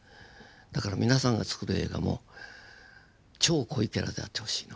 だから皆さんがつくる映画も超濃いキャラであってほしいの。